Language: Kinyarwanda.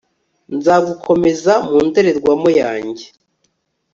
nzagukomeza mu ndorerwamo yanjye